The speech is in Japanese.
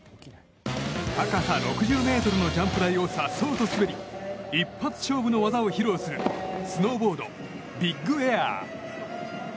高さ６０ｍのジャンプ台をさっそうと滑り一発勝負の技を披露するスノーボード・ビッグエア。